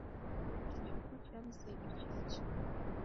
Kichuku cha mzedu chacha.